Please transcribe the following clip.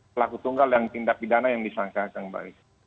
pelaku tunggal yang tindak pidana yang disangka akan baik